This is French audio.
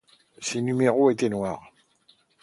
Ses numéros étaient noirs.